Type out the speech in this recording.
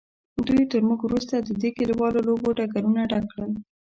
دوی تر موږ وروسته د دې کلیوالو لوبو ډګرونه ډک کړل.